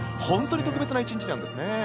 本当に特別な１日なんですね。